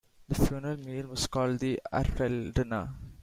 The funeral meal was called the Arvel-dinner.